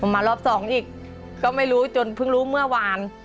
มารอบสองอีกก็ไม่รู้จนเพิ่งรู้เมื่อวาน